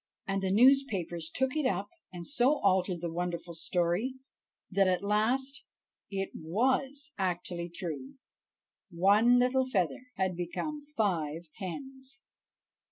And the newspapers took it up and so altered the wonderful story that at the last "it was actually true"—"ONE LITTLE FEATHER HAD BECOME FIVE HENS!"